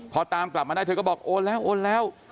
พอตามกลับมาได้เธอก็บอกโอนแล้วโอนแล้ว